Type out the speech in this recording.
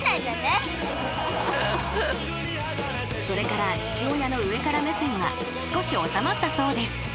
［それから父親の上から目線は少し収まったそうです］